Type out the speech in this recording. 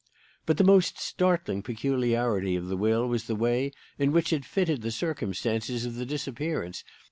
"But the most startling peculiarity of the will was the way in which it fitted the circumstances of the disappearance.